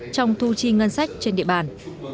trong thu chi ngân sách trên địa bàn